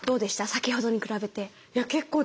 先ほどに比べて。